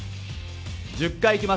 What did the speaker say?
１０回いきます。